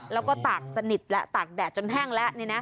แล้วก็ตากสนิทแล้วตากแดดจนแห้งแล้ว